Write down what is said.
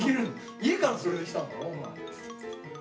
家からそれで来たんだろお前。